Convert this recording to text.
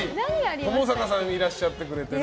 ともさかさんいらっしゃってくれて。